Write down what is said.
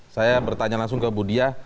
saya bertanya langsung ke budia